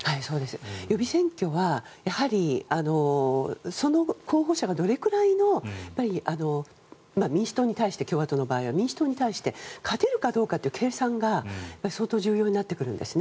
予備選挙はやはりその候補者がどれくらいの共和党の場合は民主党に対して勝てるかどうかという計算が相当重要になってくるんです。